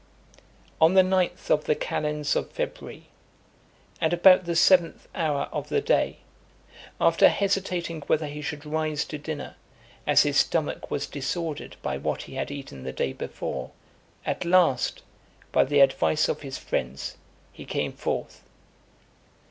LVIII. On the ninth of the calends of February [24th January], and about the seventh hour of the day, after hesitating whether he should rise to dinner, as his stomach was disordered by what he had eaten the day before, at last, by the advice of his friends, he came forth.